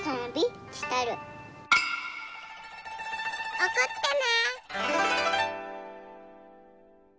おくってね。